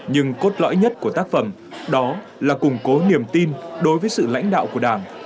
nhưng cốt lõi nhất của tác phẩm đó là củng cố niềm tin đối với sự lãnh đạo của đảng